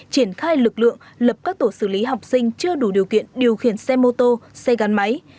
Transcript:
triển khai lực lượng lập các tổ xử lý học sinh chưa đủ điều kiện điều khiển xe mô tô xe gắn máy